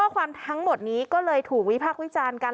ความทั้งหมดนี้ก็เลยถูกวิพากษ์วิจารณ์กัน